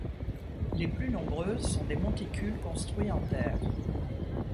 Les plus nombreuses sont des monticules construits en terre.